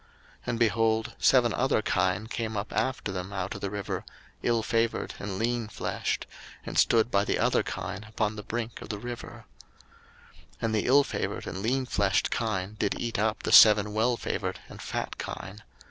01:041:003 And, behold, seven other kine came up after them out of the river, ill favoured and leanfleshed; and stood by the other kine upon the brink of the river. 01:041:004 And the ill favoured and leanfleshed kine did eat up the seven well favoured and fat kine.